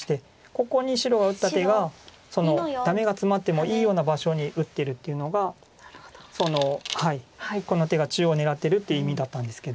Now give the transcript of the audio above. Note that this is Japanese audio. ここに白が打った手がダメがツマってもいいような場所に打ってるっていうのがこの手が中央狙ってるっていう意味だったんですけど。